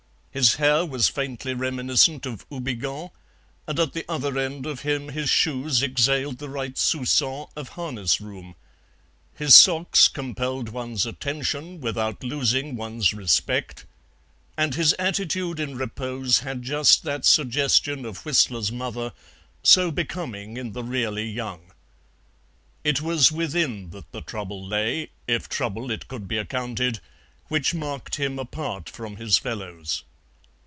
His hair was faintly reminiscent of Houbigant, and at the other end of him his shoes exhaled the right SOUPÇON of harness room; his socks compelled one's attention without losing one's respect; and his attitude in repose had just that suggestion of Whistler's mother, so becoming in the really young. It was within that the trouble lay, if trouble it could be accounted, which marked him apart from his fellows.